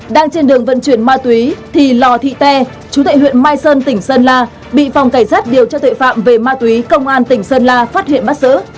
đang trên đường vận chuyển ma túy thì lò thị tê chú tệ huyện mai sơn tỉnh sơn la bị phòng cảnh sát điều tra tuệ phạm về ma túy công an tỉnh sơn la phát hiện bắt giữ